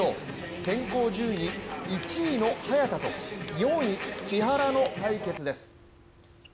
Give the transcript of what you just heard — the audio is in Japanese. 選考順位１位の早田と４位・木原の対決です。